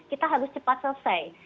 kita harus cepat selesai